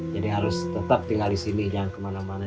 jadi harus tetap tinggal di sini jangan kemana mana